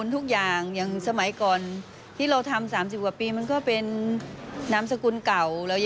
ทำเป็นเปลี่ยนเป็นนามสกุลใหม่เลย